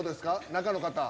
中の方。